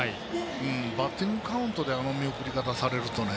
バッティングカウントであの見送り方されるとね。